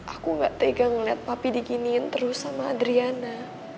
aku gak tega ngeliat papi diginiin terus sama adriana